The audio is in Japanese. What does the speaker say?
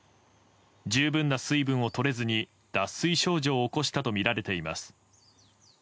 十分な水分をとれずに脱水症状を起こしたとみられています。